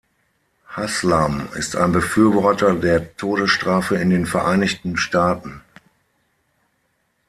Haslam ist ein Befürworter der Todesstrafe in den Vereinigten Staaten.